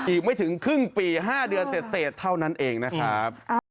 อีกไม่ถึงครึ่งปี๕เดือนเสร็จเท่านั้นเองนะครับ